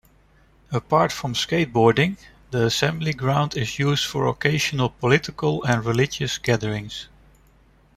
Apart from skateboarding, the assembly ground is used for occasional political and religious gatherings.